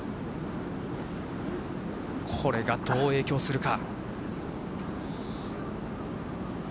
これがどう影響するか。